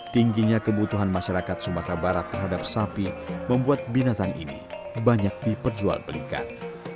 tingginya kebutuhan masyarakat sumatera barat terhadap sapi membuat binatang ini banyak diperjual belikan